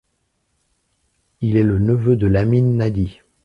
Il est le neveu de Lamine Nahdi.